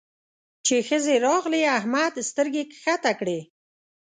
چې ښځې راغلې؛ احمد سترګې کښته کړې.